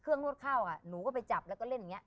เครื่องนวดข้าวอะหนูก็ไปจับแล้วก็เล่นอย่างเงี้ย